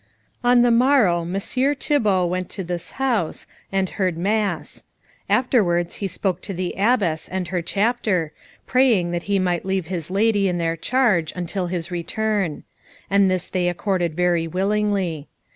On the morrow Messire Thibault went to this house, and heard Mass. Afterwards he spoke to the Abbess and her chapter, praying that he might leave his lady in their charge, until his return; and this they accorded very willingly.